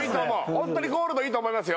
ホントにゴールドいいと思いますよ